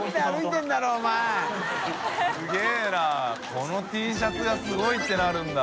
このＴシャツがすごいってなるんだ。